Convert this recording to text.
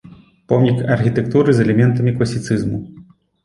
Помнік архітэктуры з элементамі класіцызму.